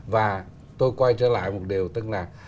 và tôi quay trở lại một điều tức là